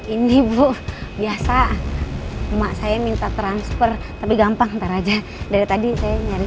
ini bu biasa cuma saya minta transfer tapi gampang ntar aja dari tadi saya nyari